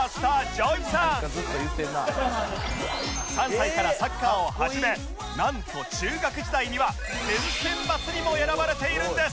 ３歳からサッカーを始めなんと中学時代には県選抜にも選ばれているんです